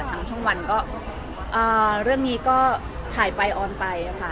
ช่องวันก็เรื่องนี้ก็ถ่ายไปออนไปค่ะ